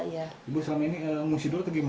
ibu selama ini ngungsi dulu atau gimana